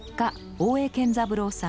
大江健三郎さん